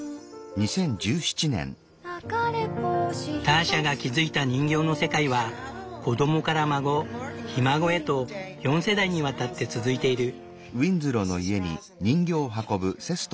ターシャが築いた人形の世界は子どもから孫ひ孫へと４世代にわたって続いている。